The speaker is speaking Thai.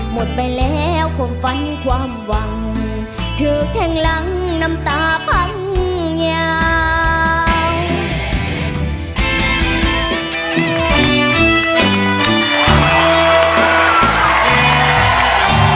หมดไปแล้วคงฝันความหวังเธอแข่งหลังน้ำตาพังยาว